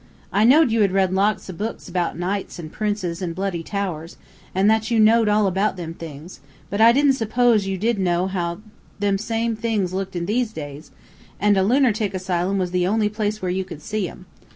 I knowed you had read lots o' books about knights and princes an' bloody towers, an' that you knowed all about them things, but I didn't suppose you did know how them same things looked in these days, an' a lunertic asylum was the only place where you could see 'em.